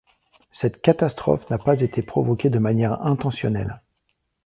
Cette catastrophe n'a pas été provoquée de manière intentionnelle.